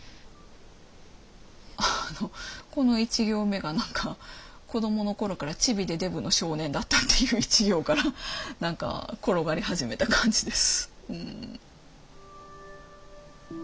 あのこの１行目が何か「子供のころからチビでデブの少年だった」っていう一行から何か転がり始めた感じです。